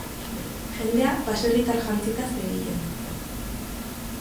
Jendea baserritar jantzita zebilen.